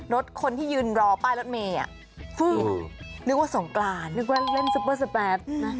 รถคนที่ยืนรอป้ายรถเมย์อ่ะนึกว่าส่งกรานนึกว่าเล่นซับป้อสแบบ